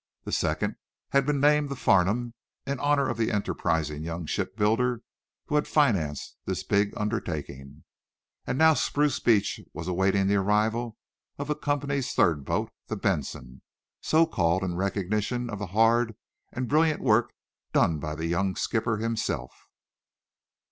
The second had been named the "Farnum," in honor of the enterprising young shipbuilder who had financed this big undertaking. And now Spruce Beach was awaiting the arrival of the company's third boat, the "Benson," so called in recognition of the hard and brilliant work done by the young skipper himself.